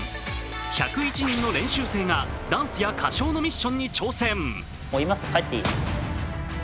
１０１人の練習生がダンスや歌唱のミッションに挑戦。